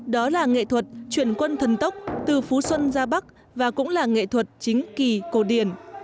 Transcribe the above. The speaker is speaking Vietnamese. đó là nghệ thuật chuyển quân thần tốc từ phú xuân ra bắc và cũng là nghệ thuật chính kỳ cổ điển